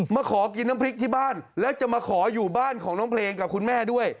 มาขอกินน้ำพริกที่บ้านแล้วจะมาขออยู่บ้านของน้องเพลงกับคุณแม่ด้วย